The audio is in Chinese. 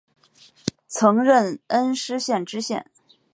曾任恩施县知县。